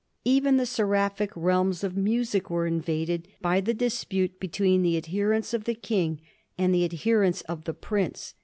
Even the seraphic realms of music were invaded by the dispute between the adherents of the King and the adher ents of the prince.